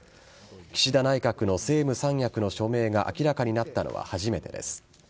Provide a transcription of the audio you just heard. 岸田内閣の政務三役の署名が明らかになったのは初めてです。